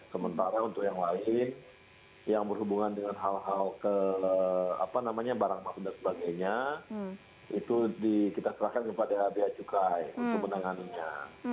sementara untuk yang lain yang berhubungan dengan hal hal ke apa namanya barang maksuda sebagainya itu kita serahkan kepada bia cukai untuk menanganinya